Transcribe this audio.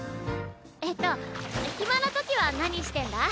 えっと暇なときは何してんだ？